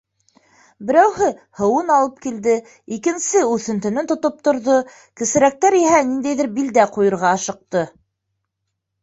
Берәүһе һыуын алып килде, икенсеһе үҫентене тотоп торҙо, кесерәктәр иһә ниндәйҙер билдә ҡуйырға ашыҡты.